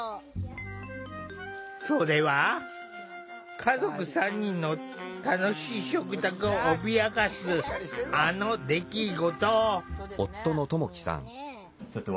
それは家族３人の楽しい食卓を脅かすあの出来事。